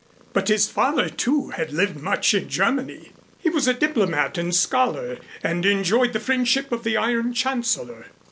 But his father, too, had lived much in Germany. He was a diplomat and scholar and enjoyed the friendship of the Iron Chancellor.